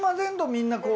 みんなこう？